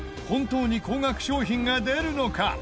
本当に高額商品が出るのか？